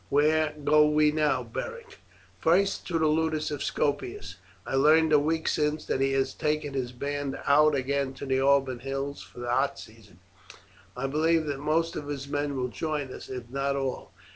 Where go we now, Beric?" "First to the ludus of Scopus; I learned a week since that he had taken his band out again to the Alban Hills for the hot season. I believe that most of his men will join us, if not all.